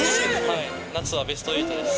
夏はベスト８です。